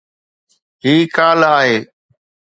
هي ڪالهه آهي.